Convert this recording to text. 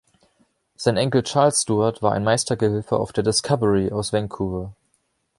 Sein Enkel Charles Stuart war ein Meistergehilfe auf der „Discovery“ aus Vancouver.